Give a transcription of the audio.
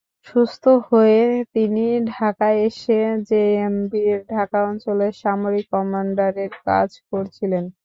সুস্থ হয়ে তিনি ঢাকায় এসে জেএমবির ঢাকা অঞ্চলের সামরিক কমান্ডারের কাজ করছিলেন।